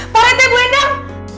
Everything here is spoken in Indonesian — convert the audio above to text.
parente bu endang